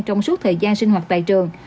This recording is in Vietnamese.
trong suốt thời gian sinh hoạt tại trường